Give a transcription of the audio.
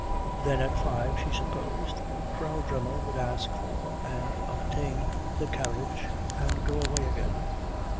Then at five, she supposed, Frau Dremmel would ask for and obtain the carriage and go away again.